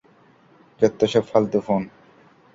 যত্তসব ফালতু ফোন!